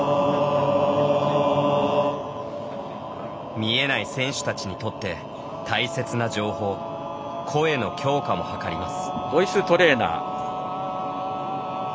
見えない選手たちにとって大切な情報声の強化も図ります。